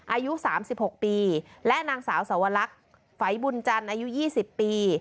อายุสามสิบหกปีและนางสาวสวรรคไฝบุญจันทร์อายุยี่สิบปี